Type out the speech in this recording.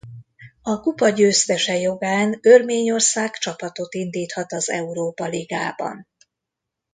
A kupa győztese jogán Örményország csapatot indíthat az Európa ligában.